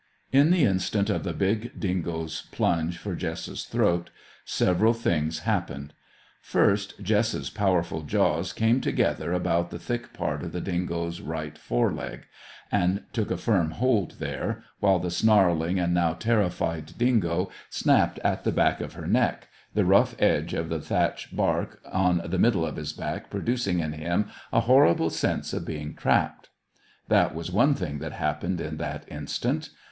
In the instant of the big dingo's plunge for Jess's throat, several things happened. First, Jess's powerful jaws came together about the thick part of the dingo's right fore leg, and took firm hold there, while the snarling and now terrified dingo snapped at the back of her neck, the rough edge of the bark thatch on the middle of his back producing in him a horrible sense of being trapped. That was one thing that happened in that instant.